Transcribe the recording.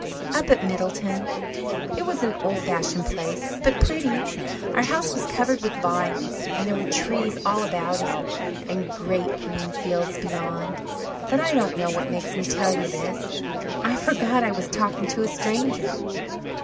"Up at Middleton. It was an old fashioned place, but pretty our house was covered with vines, and there were trees all about it, and great green fields beyond. But I don't know what makes me tell you this. I forgot I was talking to a stranger."